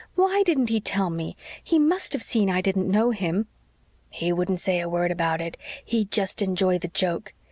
WHY didn't he tell me? He must have seen I didn't know him." "He wouldn't say a word about it he'd just enjoy the joke.